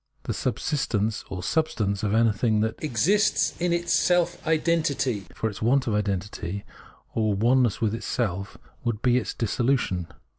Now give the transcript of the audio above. The subsistence or substance of anything that exists is its self identity ; for its want of identity, or oneness with itself, would be its dis solution.